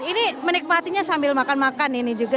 ini menikmatinya sambil makan makan ini juga